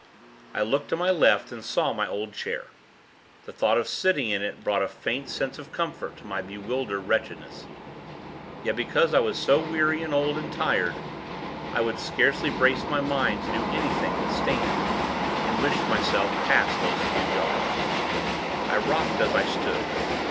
I looked to my left, and saw my old chair. The thought of sitting in it brought a faint sense of comfort to my bewildered wretchedness. Yet, because I was so weary and old and tired, I would scarcely brace my mind to do anything but stand, and wish myself past those few yards. I rocked, as I stood.